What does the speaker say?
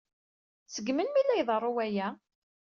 Seg melmi ay la iḍerru waya?